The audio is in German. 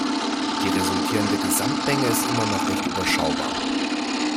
Die resultierende Gesamtmenge ist immer noch recht überschaubar.